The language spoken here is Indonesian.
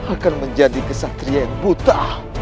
akan menjadi kesatria yang buta